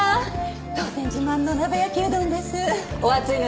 当店自慢の鍋焼きうどんです。